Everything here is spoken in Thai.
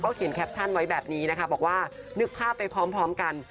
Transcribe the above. เขียนแคปชั่นไว้แบบนี้นะคะบอกว่านึกภาพไปพร้อมกัน